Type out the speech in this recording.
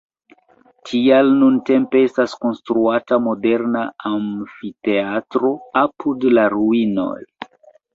Tial nuntempe estas konstruata moderna amfiteatro apud la ruinoj.